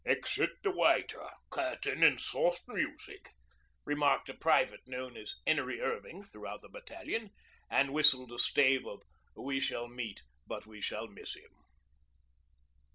'Exit the waiter curtain, an' soft music!' remarked a private known as 'Enery Irving throughout the battalion, and whistled a stave of 'We shall meet, but we shall miss him.'